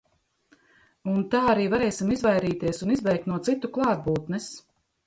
Un tā arī varēsim izvairīties un izbēgt no citu klātbūtnes.